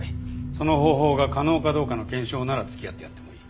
その方法が可能かどうかの検証なら付き合ってやってもいい。